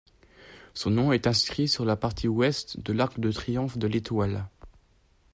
Son nom est inscrit sur la partie Ouest de l'arc de triomphe de l'Étoile.